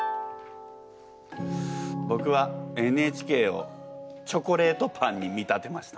ぼくは「ＮＨＫ」をチョコレートパンに見立てました。